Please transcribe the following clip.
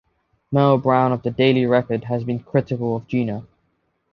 Merle Brown of the "Daily Record" has been critical of Gina.